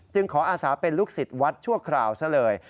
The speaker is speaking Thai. ขออาศาเป็นลูกศิษย์วัดชั่วคราวซะเลย